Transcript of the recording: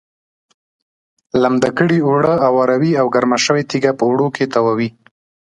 لمده کړې اوړه اواروي او ګرمه شوې تیږه په اوړو کې تاووي.